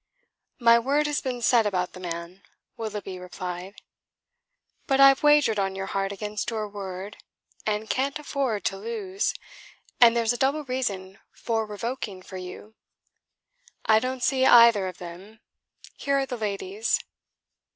"My word has been said about the man," Willoughby replied. "But I've wagered on your heart against your word, and cant afford to lose; and there's a double reason for revoking for you!" "I don't see either of them. Here are the ladies."